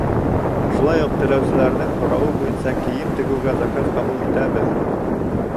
Шулай уҡ теләүселәрҙең һорауы буйынса кейем тегеүгә заказ ҡабул итәбеҙ.